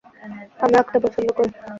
আমি আঁকতে পছন্দ করি।